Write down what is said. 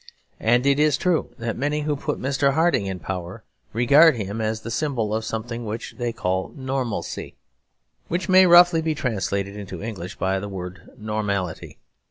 And it is true that many who put Mr. Harding in power regard him as the symbol of something which they call normalcy; which may roughly be translated into English by the word normality.